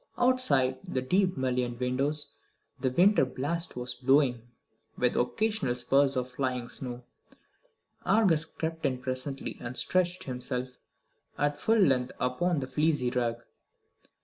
Outside the deep mullioned windows the winter blast was blowing, with occasional spurts of flying snow. Argus crept in presently, and stretched himself at full length upon the fleecy rug.